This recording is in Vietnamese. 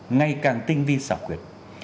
ngay càng tinh vi sảo quyệt